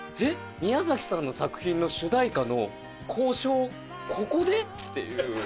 宮崎さんの作品の主題歌の交渉、ここで？っていう。